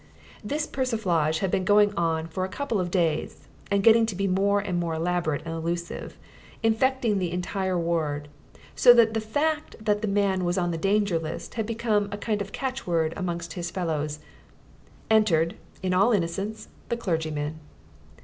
This persiflage had been going on for a couple of days and getting to be more and more elaborate and allusive, infecting the entire ward, so that the fact that the man was on the Danger List had become a kind of catchword amongst his fellows. Entered, in all innocence, the clergyman.